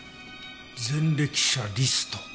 前歴者リスト？